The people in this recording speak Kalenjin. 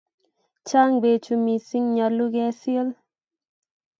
Chang' pechu missing', nyalu kesil.